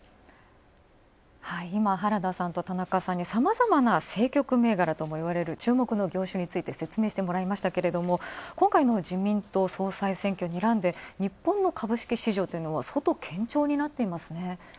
今、原田さんと田中さんさんにさまざまな政局銘柄ともいわれるさまざまな注目の業種について説明してもらいましたけど今回の自民党総裁選をにらんで、日本の株式市場、相当堅調になっていますね。